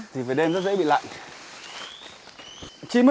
thì về đêm rất dễ bị lạnh